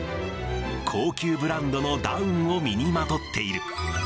高級ブランドのダウンを身にまとっている。